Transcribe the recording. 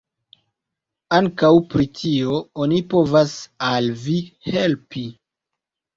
Ankaŭ pri tio oni povas al vi helpi.